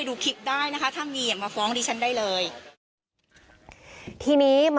อยู่ที่ซอยบรมราชชนนานี๒๐